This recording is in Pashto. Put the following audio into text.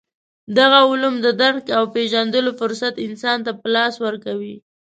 دغه علوم د درک او پېژندلو فرصت انسان ته په لاس ورکوي.